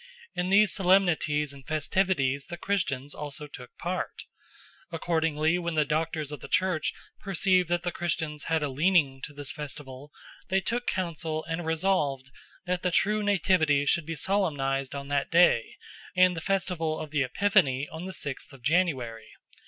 In these solemnities and festivities the Christians also took part. Accordingly when the doctors of the Church perceived that the Christians had a leaning to this festival, they took counsel and resolved that the true Nativity should be solemnised on that day and the festival of the Epiphany on the sixth of January.